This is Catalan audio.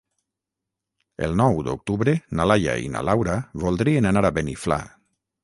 El nou d'octubre na Laia i na Laura voldrien anar a Beniflà.